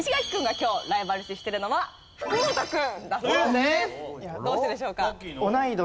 どうしてでしょうか？